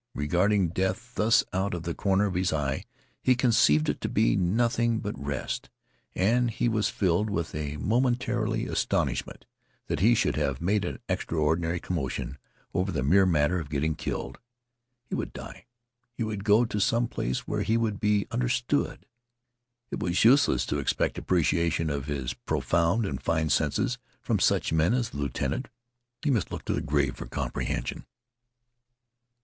Regarding death thus out of the corner of his eye, he conceived it to be nothing but rest, and he was filled with a momentary astonishment that he should have made an extraordinary commotion over the mere matter of getting killed. He would die; he would go to some place where he would be understood. It was useless to expect appreciation of his profound and fine senses from such men as the lieutenant. He must look to the grave for comprehension.